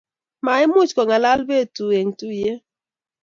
maimuch kongalal betuu eng tuiyet